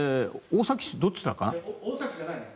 大崎市どっちなのかな。